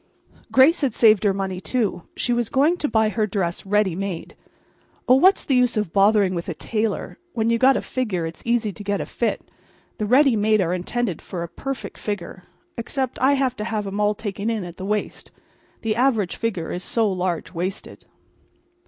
Grace had saved her money, too. She was going to buy her dress ready made. Oh, what's the use of bothering with a tailor—when you've got a figger it's easy to get a fit—the ready made are intended for a perfect figger—except I have to have 'em all taken in at the waist—the average figger is so large waisted.